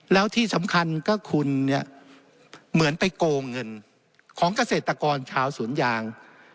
แล้วที่สำคัญก็คุณเนี่ยเหมือนไปโกงเงินของเกษตรกรชาวสวนยาง